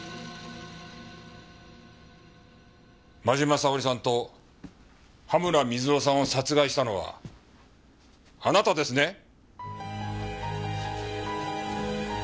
真嶋沙織さんと羽村瑞男さんを殺害したのはあなたですね？